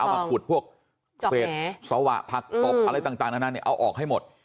มาขุดพวกเศษสวะผักตบอะไรต่างนานาเอาออกให้หมด